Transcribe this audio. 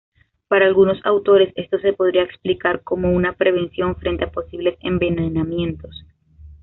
Para algunos autores esto se podría explicar como una prevención frente a posibles envenenamientos.